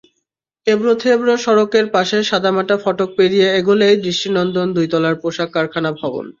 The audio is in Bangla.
এবড়োখেবড়ো সড়কের পাশের সাদামাটা ফটক পেরিয়ে এগোলেই দৃষ্টিনন্দন দুই তলার পোশাক কারখানা ভবন।